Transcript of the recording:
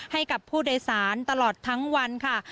ให้กับผู้โดยสารตลอดทั้งวันค่ะ